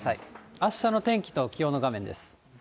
あしたの天気と気温の画面です。